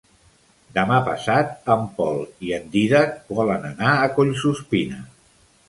Demà passat en Pol i en Dídac volen anar a Collsuspina.